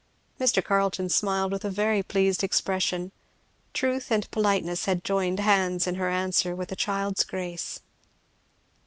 Mr. Carleton smiled with a very pleased expression. Truth and politeness had joined hands in her answer with a child's grace.